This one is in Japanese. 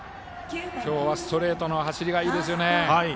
今日はストレートの走りがいいですね。